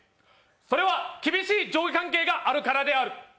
それは厳しい上下関係があるからである。